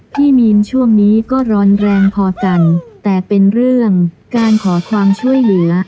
พี่มีนช่วงนี้ก็ร้อนแรงพอกันแต่เป็นเรื่องการขอความช่วยเหลือ